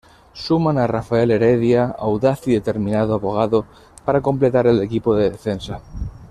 Suman a Rafael Heredia, audaz y determinado abogado, para completar el equipo de defensa.